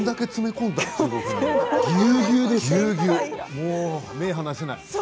もう、目が離せない。